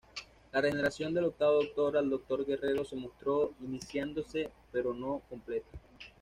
La regeneración del Octavo Doctor al Doctor Guerrero se mostró iniciándose, pero no completa.